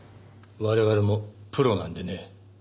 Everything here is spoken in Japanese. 我々もプロなんでね。